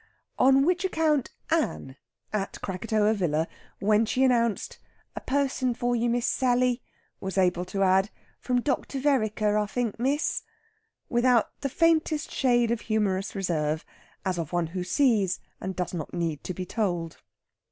On which account Ann, at Krakatoa Villa, when she announced, "A person for you, Miss Sally," was able to add, "from Dr. Vereker, I think, miss," without the faintest shade of humorous reserve, as of one who sees, and does not need to be told.